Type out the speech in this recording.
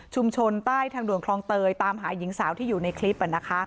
ใต้ทางด่วนคลองเตยตามหาหญิงสาวที่อยู่ในคลิป